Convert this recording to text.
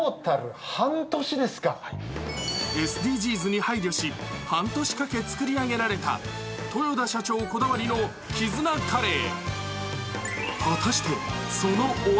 ＳＤＧｓに配慮し半年かけ作り上げられた豊田社長こだわりのＫＩＺＵＮＡカレー。